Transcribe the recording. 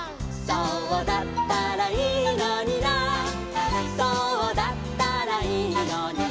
「そうだったらいいのになそうだったらいいのにな」